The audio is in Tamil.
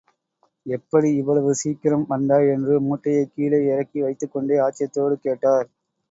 எப்படி இவ்வளவு சீக்கிரம் வந்தாய்? என்று மூட்டையைக் கீழே இறக்கி வைத்துக்கொண்டே ஆச்சரியத்தோடு கேட்டார்.